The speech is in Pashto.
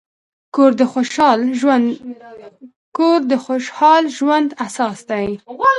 کور د خوشحال ژوند اساس دی.